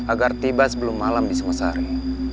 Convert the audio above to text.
agar tiba sebelum malam di semasa hari